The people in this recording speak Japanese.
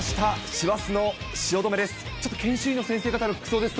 師走の汐留です。